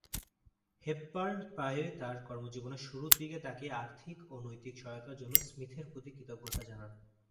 Hepburn প্রায়ই তার কর্মজীবনের শুরুর দিকে তাকে আর্থিক ও নৈতিক সহায়তার জন্য স্মিথের প্রতি কৃতজ্ঞতা জানান।